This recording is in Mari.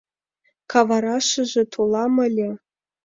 Каварашыже толам ыле!..